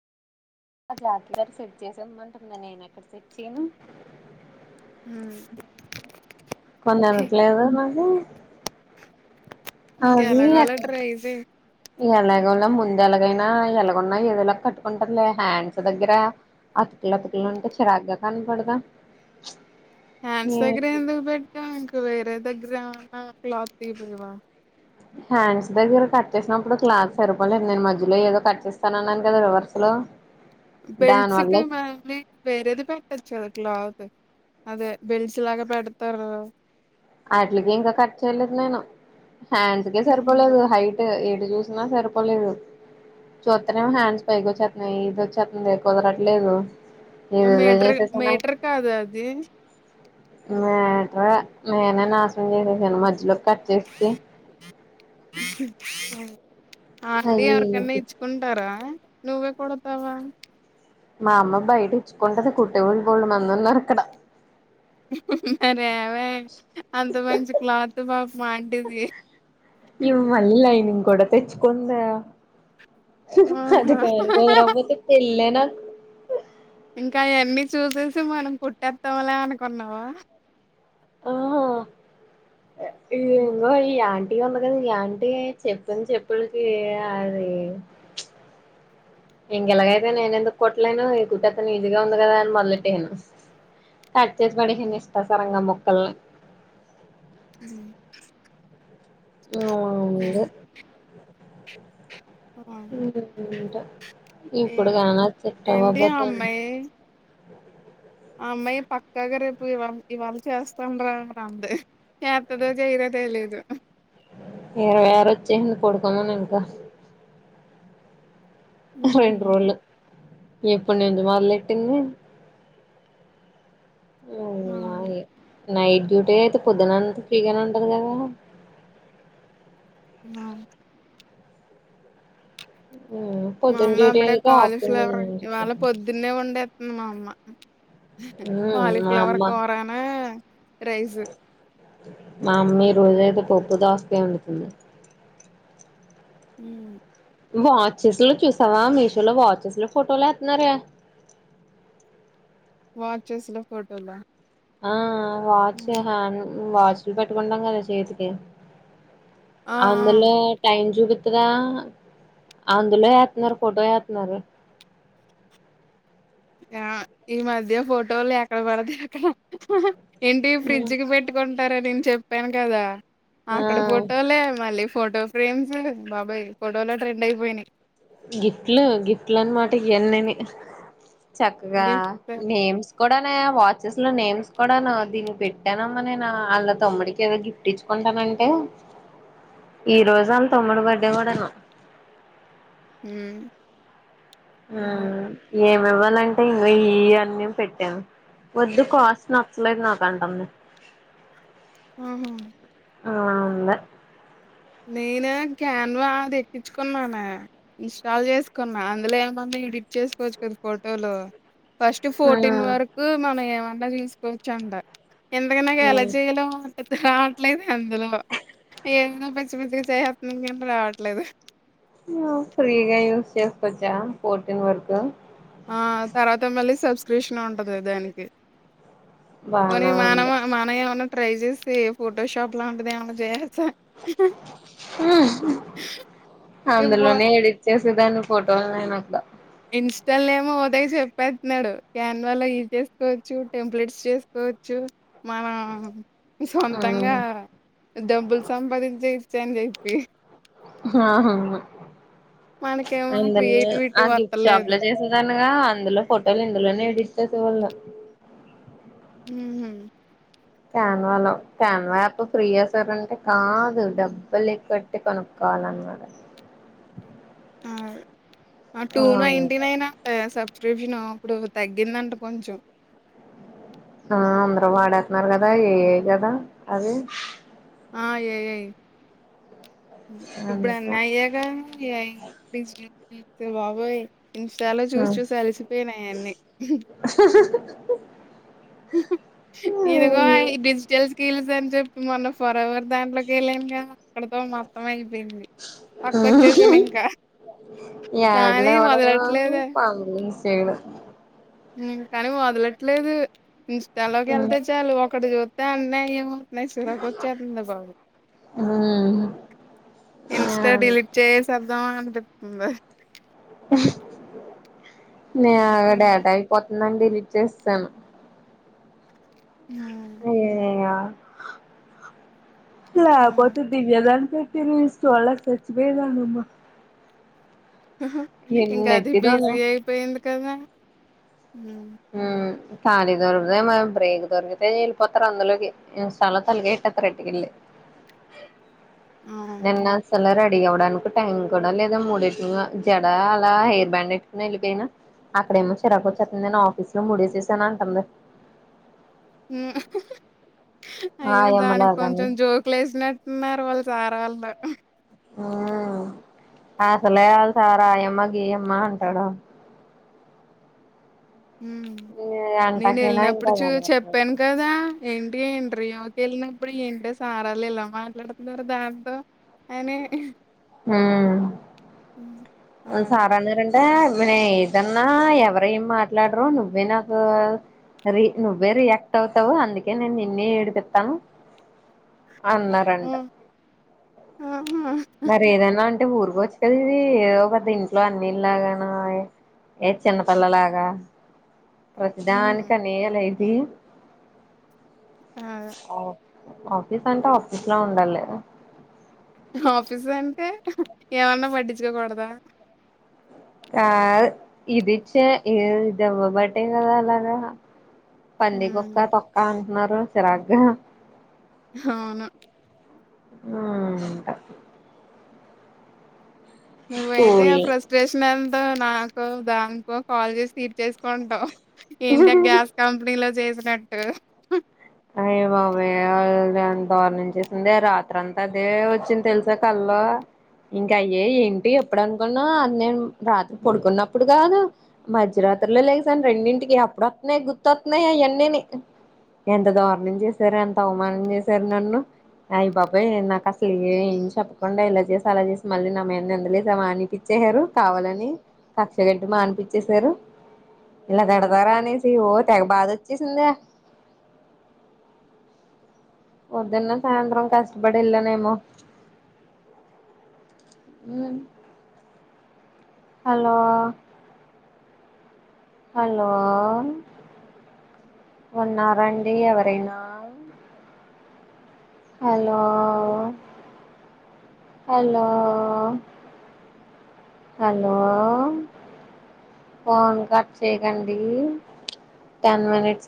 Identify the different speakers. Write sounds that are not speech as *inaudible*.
Speaker 1: ఆ జాతి గారు సెట్ చేసి ఇమ్మంటుందా నేను అక్కడ సెట్ చేయను
Speaker 2: హ్మ్
Speaker 1: మొన్న రిప్లై ఇవ్వలేద్ నాకు
Speaker 2: ఇంక ఎలాగో అలా ట్రై చేయి
Speaker 1: ఎలాగోళ ముందు ఎలాగైనా ఎలాగన్నా ఏదోలాగా కట్టుకుంటారులే హ్యాండ్స్ దగ్గర అతుకులు అతుకులు ఉంటే చిరాగ్గా కనపడదా
Speaker 2: హ్యాండ్స్గర ఎందుకు పెట్టావు ఇంక వేరే దగ్గరన్న క్లాత్ తీయపోయవా
Speaker 1: హ్యాండ్స్ దగ్గర కట్ చేేసినప్పుడు క్లాత్ సరిపోలేదు నేను మధ్యలో ఏదో కట్ చేస్తాన అన్నాను కదా రివర్సు లో దాని వల్ల
Speaker 2: బెల్ట్స్కి మరి వేరేది పెటోచ్చు కదా క్లాత్ అదే బెల్సలాగా పెడతారు
Speaker 1: వాటిలకి ఇంకా కట్ చేయలేదు నేను హ్యాండ్స్కే సరిపోలేదు హైట్ ఎటు చూసినా సరిపోలేదు చూస్తనే హ్యాండ్స్ పైకి వచ్చేస్తున్నాయి ఇది వచ్చేస్తుంది కుదరట్లేదు ఏదేదో
Speaker 2: మీటర్
Speaker 1: చేసేసానా
Speaker 2: మీటర్ కాద అది
Speaker 1: మీటరే నేనే నాశనం చేసేసాను మధ్యలోకి కట్ చేసే సి
Speaker 2: ఆ అంటె
Speaker 1: అయ్యి
Speaker 2: ఎవరికన్నా
Speaker 1: ఇయ్యి
Speaker 2: ఇచ్చుకుంటారా నువ్వే కుడతావ
Speaker 1: మా అమ్మ బయట ఇచ్చుకుంటది కుట్టే వాళ్ళు వాళ్ళు బోలెడు మంది ఉన్నారు అక్కడ
Speaker 2: మరేవ అంత మంచి క్లాత్ పాపమాంటిది
Speaker 1: ఇవ్వ లైనింగ్ కూడ తెచ్చకుంద అది
Speaker 2: ఆహా
Speaker 1: కాని కుదరకపోతే పెళ్లే నాకు
Speaker 2: ఇంకా అవన్నీ చూసేసి మనం కుట్టేత్తామ్లే అనుకున్నావా ఉమ్,
Speaker 1: ఏందో ఈ యాం టి ఉంది కదా ఈ ఆంటీ చెప్పంది చెప్పులకి అది ఇంకెలాగైతే నేను ఎందుకు కుట్టలేను ఈ ది కుట్టెతను ఈజీగా ఉంది కదా అని మొదలెట్టేను కట్ చ్చేసి పడేసాను
Speaker 2: ఉమ్,
Speaker 1: ఇష్ట సరంగ ముక్కల్ని
Speaker 2: ఉమ్
Speaker 1: ఆ అవునన్డి ఉమ్ ఉంటా
Speaker 2: ఏ
Speaker 1: ఇప్పుడు కానా
Speaker 2: ఏంటి ఆ
Speaker 1: తిట్టవబోతే
Speaker 2: అమ్మాయి అమ్మాయి పక్కాగా రేపు ఇవళ ఇవాళ చేస్తాండ రా అంత చేత్తదో చేయరో తెలియదు దు
Speaker 1: ఏర వేర వచ్చేంది పడుకోమను ఇంకా
Speaker 2: ఉహు
Speaker 1: రెండు రోజులు ఎప్పుడు నుంచి మొదలెట్టింది
Speaker 2: ఆ డి
Speaker 1: నైట్ డ్యూటీ అయితే పొద్దున అంత ఫ్రీగానే ఉంటది కదా
Speaker 2: అవును మా
Speaker 1: పొద్దున్న
Speaker 2: అమ్మ
Speaker 1: డ్యూటీ
Speaker 2: అప్పుడే
Speaker 1: అయితే ఆఫ్టర్నూన్
Speaker 2: కాలీఫ్లవర్
Speaker 1: నుంచి
Speaker 2: ఇవాళ పొద్దున్నే వండే ఎతున్ది మా అమ్మ
Speaker 1: మా
Speaker 2: కాలిఫ్లవర్
Speaker 1: అమ్మ
Speaker 2: కూరను రైస్
Speaker 1: రోజయితే పప్పు దాస్తే ఉండుతుంది
Speaker 2: ఉ
Speaker 1: వాచెస్ లో చూసావా మీషో లో వాచెస్ లో ఫోటోలు ఎత్నరే *inaudible*
Speaker 2: వాచెస్ ల ఫోటోల
Speaker 1: ఆ వాచ్ హ్యాండ్ వాచ్లు పెట్టుకుంటాం కదా చేతికి
Speaker 2: ఆ ఆ
Speaker 1: అందుల టైం జూపిత్ ఇత్తగా అందులో ఏత్తున్నారు ఫోటో ఏత్తున్నారు *inaudible*
Speaker 2: ఈ మధ్య ఫోటోలు ఎక్కడ పడతా అక్కడ ఏంటి ఫ్రిడ్జ్ కి పెట్టుకోన్ టారా నేను చెప్పాను కదా
Speaker 1: ఆ
Speaker 2: అక్కడ ఫోటోలే మళ్ళీ ఫోటో ఫ్రేమ్స్ బాబాయ్ ఫోటోలో ట్రెండ్ అయిపోయినాయి
Speaker 1: గిఫ్ట్లు గిఫ్టలా అన్నమాట ఇవన్నని చక్కగా
Speaker 2: గిఫ్ట్స్
Speaker 1: నేమ్స్ కూడా వాచెస్ లో నేమ్స్ కూడా దీన్ని పెట్టానమ్మా నే వాళ్ళ తమ్డికి ఏదో గిఫ్ట్ ఇచ్చుకో ంటానంటే ఈ రోజు వాళ తొమ్ముడు బర్త్డే కూడానా
Speaker 2: హ
Speaker 1: ఏమి ఇవ్వాలంటే ఇంకా ఇ అన్నీ పెట్టావు వద్దు కోస్ట్ నసలే నాకంటన్న
Speaker 2: ఆహా
Speaker 1: ఆ లా ఉంద
Speaker 2: నేను క్యాన్వా ఎక్కించుకున్నాను ఇన్స్టాల్ చేసుకున్నా అందులో ఏమంది ఎడిట్ చేసుకోవచ్చు కదా ఫోటోలో ఫస్ట్
Speaker 1: ఆ
Speaker 2: ఫోర్టీన్ వరకు మనం ఏమంట తీసుకోవచ్చ అంట ఎందుక నాకు
Speaker 1: హ్మ్
Speaker 2: ఎలచేయ లో రావట్లేదు అందులో ఏ మచ్చమితిగా చేయత్క రావట్లేదు
Speaker 1: ఫ్రీగా యూజ్ చేసుకోవచ్చా పోర్టీన్ వరకు
Speaker 2: ఆ తర్వాత మళ్ళీ సబ్స్క్రిప్షన్ ఉంటది దానికి పోనీ
Speaker 1: బానే
Speaker 2: మనం
Speaker 1: ఉంది
Speaker 2: మనం ఏమైన్నా ట్రై చేసి ఫోటో షాప్ లాంటిది ఏమైనా చేయాలి
Speaker 1: ఊ
Speaker 2: ఇవ్వో
Speaker 1: అందులోనే ఏడిచ్చే దిగను ఫోటో నేను అట్ల
Speaker 2: ఇన్స్టా లోనేమో ఒకటే చెప్పేత్తున్నాడు క్యాన్ వా లో యూజ్ చేసుకోవచ్చు టెంప్లెట్స్ చేసుకోవచ్చు మమా
Speaker 1: హ్మ్.
Speaker 2: సొంతంగా డబ్బులు సంపాదించే ఇచ్చా అని చెప్పి
Speaker 1: ఓహో
Speaker 2: మనకేమో
Speaker 1: అంతలే
Speaker 2: క్రియేటివిటీ
Speaker 1: ఆ గిఫ్ట్ షాప్
Speaker 2: వత్తలేదు.
Speaker 1: లో చేసే గా గా అందులో ఫోటోలు ఇందులోనే ఎడిట్ చేస వాళ్ళు
Speaker 2: ఉహు
Speaker 1: క్యాన్వాలో క్యాన్వా ఎప్ ఫ్రీ ఎసారంటే కాదు డబ్బులె కట్టి కొనుక్కొ వాలన్నాడు
Speaker 2: ఆ! ఆ టూ నైంటి
Speaker 1: ఉంటాయి.
Speaker 2: నైన్ ఎసా సుబ్స్చ్రిప్షన్ అప్పుడు తగ్గిందంట కొంచెం
Speaker 1: ఆ అందరు వాడేతున్నారు కదా ఏఐ కదా అది
Speaker 2: ఆ ఏఐ ఇప్పుడు అన్ని
Speaker 1: అందుకే
Speaker 2: ఆయేగా ఏఐ డిజి లిప్ లు అయ్యా బాబోయ్ ఇంస్టాలో చూసి చూసి అలిసిపోయినా అయన్ని
Speaker 1: *unintelligible*
Speaker 2: ఇదిగో
Speaker 1: హ్మ్.
Speaker 2: ఈ డిజిటల్ స్కిల్స్ అని చెప్పి మొన్న ఫర్ ఎవర్ దాంట్లోకి వెళ్ళానుక అక్కడతో మొత్తం అయిపోయింది పక్కక్ వచ్చేసాను ఇంకా కానీ వదలట్లేదే
Speaker 1: *unintelligible* పగలు సేయడు
Speaker 2: కాని వదలట్లేదు ఇంస్టాలోకి
Speaker 1: ఉమ్
Speaker 2: వెళ్తే చాలు ఒకటి చూస్తే అన్ని అయే ఉ నాక్ చిరాకు వచ్చేస్తుంది బాబు ఇన్స్ట డిలీట్ చేసేద్దామ అనిపిత్తంది
Speaker 1: నేను డేటా అయిపొతుందని డెలీట్ చేసేసాను
Speaker 2: *unintelligible*
Speaker 1: అయ్యయ్యోఆ లేకపోతే దివ్యదానికి ఈ రీల్స్ చూడలేక సచ్చిపోయేదానమ్మా
Speaker 2: హహ ఇంకా అది
Speaker 1: ఎన్నెట్టిదానో
Speaker 2: బిజీ అయిపోయింది కదా
Speaker 1: ఖాళి దొరికుతే మరి బ్రేక్ దొరికితే వెళ్ళిపోతారు అందులోకి ఇంస్టాలోకి తలకాయఎట్టెతారు ఎత్తుకెళ్ళి
Speaker 2: అవును.
Speaker 1: నిన్న సలరా రెడీ అవడానికు టైం కూడా లేదా మూడేసుకోని జడ అలా హెయిర్ బ్యాండ్ ఎట్టుకుని వెళ్ళిపోయినా అక్కడేమో చిరాకు వచేత్తంది అని ఆఫీస్ లో ముడేసేసాన
Speaker 2: ఉమ్ అయ్యో దానికి
Speaker 1: ఆయమ్మలాగాని
Speaker 2: కొంచెం జోకులు వేసినట్టున్నారు వాళ్ళ సార్ వాళ్ళు
Speaker 1: ఊ అసలే ఆళ్ళ సార్ ఆయమ్మ గీయమ్మ అంటాడు
Speaker 2: ఊ నేను
Speaker 1: అంటాకైనా
Speaker 2: వెళ్ళినప్పుడు
Speaker 1: ఇంకా
Speaker 2: చూ
Speaker 1: ఉమ్
Speaker 2: చెప్పాను కదా ఏంటీ ఇంటర్వ్యూ కి వెళ్ళినప్పుడు ఏంటి సార్ వాళ్ళు ఇలా మాట్లాడుతున్నారు దాంతో అయినే
Speaker 1: ఉమ్ వాళ్ళ
Speaker 2: అదే.
Speaker 1: సార్ న్నరంటా ఏదన్నా ఎవరు ఏం మాట్లాడరు నువ్వే నాతో రి నువ్వే రియాక్ట్ అవుతావు అందుకే నేను నిన్నే ఏడిపిత్తాను అన్నారంట
Speaker 2: హ్మ్. ఆహా!
Speaker 1: మరి ఏదైనా అన్ ఊరుకోవచ్చు కదా ఇది ఏఒ పెద్ద ఇంట్లో అన్నిళ్లాగాను అంతె ఏటి చిన్నపిల్ల లాగా
Speaker 2: హ్మ్.
Speaker 1: ప్రతిదానికి అనేయాల ఇది
Speaker 2: ఆ
Speaker 1: ఆఫీస్ అంటే ఆఫీస్ లా ఉండాలి కదా
Speaker 2: ఆఫీసు అంటే ఏమన్నా పట్టించుకోకూడదా
Speaker 1: కాదు ఇదిచ్చ ఇదివ్వబాట్టెకదా అలాగా పందిగొక్క
Speaker 2: హ్మ్.
Speaker 1: తొక్కా అంటున్నారు చిరాగ్గా
Speaker 2: అవును
Speaker 1: ఉమ్ ఇంక
Speaker 2: నువ్వైతే ఆ
Speaker 1: స్కూల్
Speaker 2: ఫ్రస్ట్రేషన్ అంతే నా కో దానికో కాల్ చేసి తీర్చేసుకుంటావు ఏంటి గ్యాస్ కంపెనీలో చే అ నంట *unintelligible*
Speaker 1: అయ్య బాబోయ్ ఎంతదోరణంచేసిందే రాత్ర అంతా అదే వచ్చింది తెలుసా కల్లొ లో ఇంకా అయ్యే ఏంటి ఎప్పుడు అనుకున్నా అది నేను రాత్రి పడుకున్నప్పుడు కాదు మధ్యర త్రలో లేసాను రెండింటికి అప్పుడు వస్తున్నాయి గుర్తుకొస్తున్నాయి అవన్నీని ఎంత దారుణం చేశారు ఎంత అవమానం చేశారు నన్ను అయ బాబోయ్ నాకు అసలు ఏం చెప్పకుండా ఇలా చేసి అలా చేసి మళ్ళీ నామేన్న నిందలేసావ అనిపించే ఎవరు కావాలని కక్షగట్టి మానిపించేశారు ఇలా తిడతారా అనేసి ఓ తెగ బాధ వచ్చేసిందె పొదన్న సాయంత్రం కష్టపడి వెళ్ళనేమో హలో హలో ఉన్నారండి ఎవరైనా hello hello hello phone cut చేయకండి టెన్ మినిట్స్